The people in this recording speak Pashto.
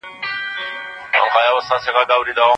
دا داستان د یوې سختې جګړې او د هغې د پایلو کیسه ده.